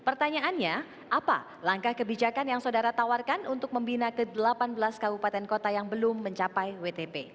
pertanyaannya apa langkah kebijakan yang saudara tawarkan untuk membina ke delapan belas kabupaten kota yang belum mencapai wtp